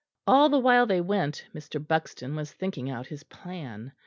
All the while they went Mr. Buxton was thinking out his plan.